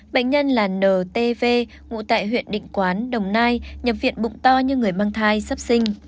bệnh nhân là ntv ngụ tại huyện định quán đồng nai nhập viện bụng to như người mang thai sắp sinh